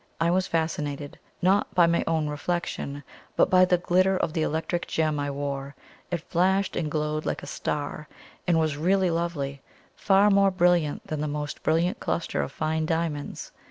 I was fascinated, not by my own reflection, but by the glitter of the electric gem I wore. It flashed and glowed like a star, and was really lovely far more brilliant than the most brilliant cluster of fine diamonds.